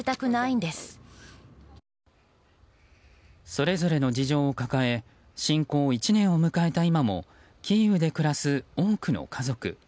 それぞれの事情を抱え侵攻１年を迎えた今もキーウで暮らす多くの家族。